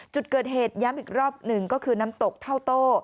จุดเกิดเหตุย้ำอีกรอบหนึ่งก็คือน้ำตกเท้าโต้